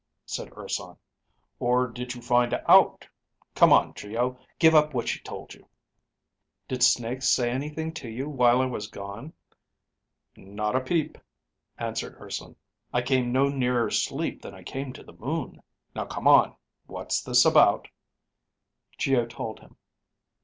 said Urson. "Or did you find out. Come on, Geo, give up what she told you." "Did Snake say anything to you while I was gone?" "Not a peep," answered Urson. "I came no nearer sleep than I came to the moon. Now come on, what's this about?" Geo told him.